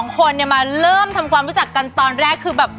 คนมาเริ่มทำความรู้จักกันตอนแรกคือแบบ